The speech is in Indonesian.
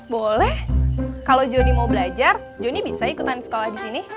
boleh kalau johnny mau belajar joni bisa ikutan sekolah di sini